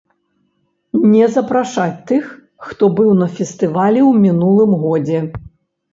Не запрашаць тых, хто быў на фестывалі ў мінулым годзе.